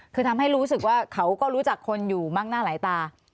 คือทำให้รู้สึกว่าเขาก็รู้จักคนอยู่มั่งหน้าหลายตา